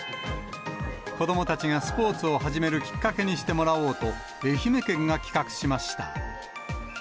子どもたちがスポーツを始めるきっかけにしてもらおうと、愛媛県が企画しました。